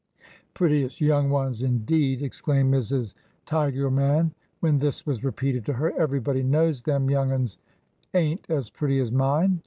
Prettiest young ones, indeed 1 " exclaimed Mrs. Ti german, when this was repeated to her. Everybody knows them young ones ain't as pretty as mine